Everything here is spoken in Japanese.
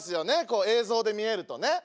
こう映像で見えるとね。